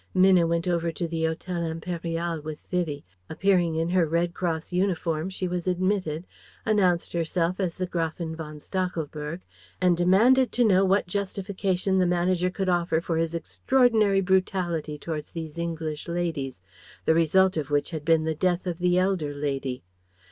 Minna went over to the Hotel Impérial with Vivie. Appearing in her Red Cross uniform, she was admitted, announced herself as the Gräfin von Stachelberg, and demanded to know what justification the manager could offer for his extraordinary brutality towards these English ladies, the result of which had been the death of the elder lady.